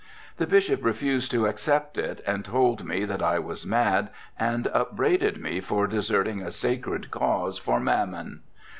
The bishop refused to accept it and told me that I was mad and upbraided me for deserting a sacred cause for mammon.